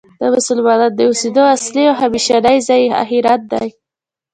د مسلمانانو د اوسیدو اصلی او همیشنی ځای آخرت دی .